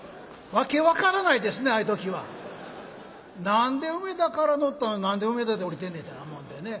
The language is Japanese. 何で梅田から乗ったのに何で梅田で降りてんねんって思ってね。